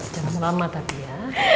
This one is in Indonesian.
jangan lama lama tapi ya